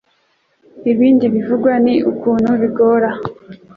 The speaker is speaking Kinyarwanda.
Ibindi bivugwa ni ukuntu bigora